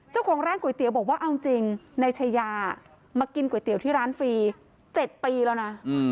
เจ้าของร้านก๋วยเตี๋ยวบอกว่าเอาจริงนายชายามากินก๋วยเตี๋ยวที่ร้านฟรี๗ปีแล้วนะ